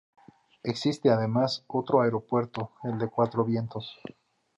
Existe además otro aeropuerto, el de Cuatro Vientos.